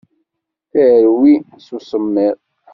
Terwi s usemmiḍ.